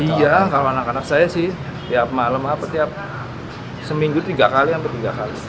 iya kalau anak anak saya sih tiap malam apa tiap seminggu tiga kali hampir tiga kali